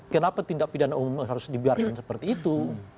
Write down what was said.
kenapa tindak pidana umum harus dibiarkan seperti itu